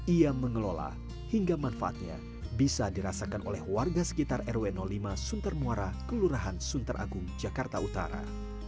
ia mengelola hingga manfaatnya bisa dirasakan oleh warga sekitar rw lima sunter muara kelurahan sunter agung jakarta utara